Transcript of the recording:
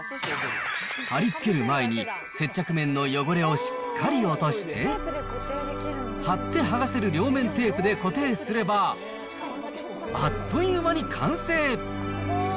貼り付ける前に接着面の汚れをしっかり落として、貼って剥がせる両面テープで固定すれば、あっという間に完成。